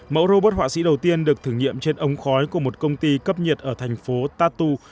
mẫu robot họa sĩ đầu tiên được thử nghiệm trên ống khói của một công ty cấp nhiệt ở thành phố tatu